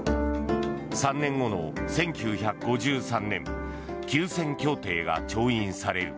３年後の１９５３年休戦協定が調印される。